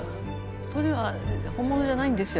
それは本物じゃないんですよ。